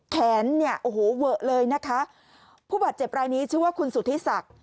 แขนเนี่ยโอ้โหเวอะเลยนะคะผู้บาดเจ็บรายนี้ชื่อว่าคุณสุธิศักดิ์